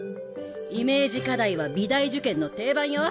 イメージ課題は美大受験の定番よ。